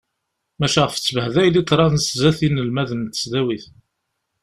Maca ɣef ttbehdayel yeḍran sdat n yinelmaden n tesdawit.